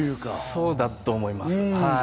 そうだと思います。